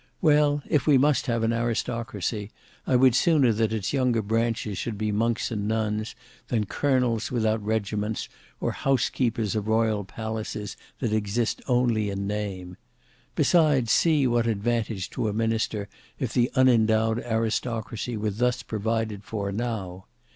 "Well, if we must have an aristocracy, I would sooner that its younger branches should be monks and nuns, than colonels without regiments, or housekeepers of royal palaces that exist only in name. Besides see what advantage to a minister if the unendowed aristocracy were thus provided for now.